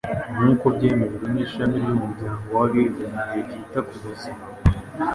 nk'uko byemejwe n'Ishami ry'Umuryango w'Abibumbye ryita ku Buzima.